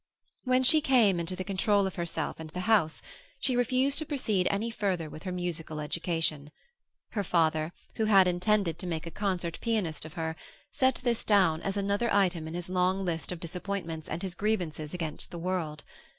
When she came into the control of herself and the house she refused to proceed any further with her musical education. Her father, who had intended to make a concert pianist of her, set this down as another item in his long list of disappointments and his grievances against the world.